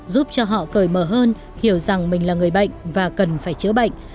giúp cho họ cởi mở hơn hiểu rằng mình là người bệnh và cần phải chữa bệnh